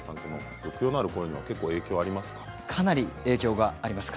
抑揚のある声には結構、影響ありますか？